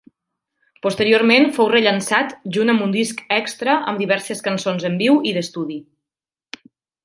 Posteriorment fou rellançat junt amb un disc extra amb diverses cançons en viu i d'estudi.